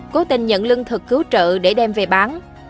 cố tình nhận lương thực cứu trợ để đem về bán